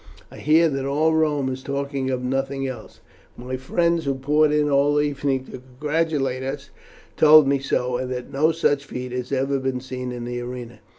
"I hear that all Rome is talking of nothing else. My friends, who poured in all the evening to congratulate us, told me so, and that no such feat had ever been seen in the arena."